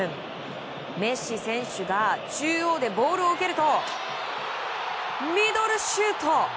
メッシ選手が中央でボールを受けるとミドルシュート！